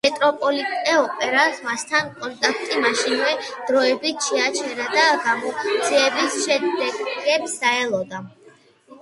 მეტროპოლიტენ-ოპერამ მასთან კონტრაქტი მაშინვე დროებით შეაჩერა და გამოძიების შედეგებს დაელოდა.